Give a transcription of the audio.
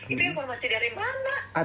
itu informasi dari mana